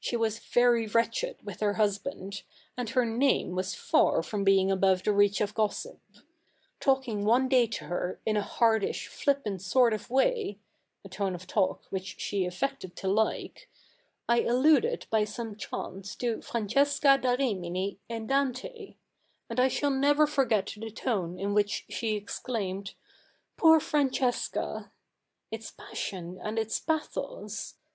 She was very wretched with her husband, and her name was far from being above the reach of gossip. Talking one day to her in a hardish flippant sort of way — a tone of talk which she affected to like — I alluded by some chance to Francesca da Rimini in Dante ; and I shall never forget the tone in which she exclaimed, "Poor Francesca I "— its passion and its pathos.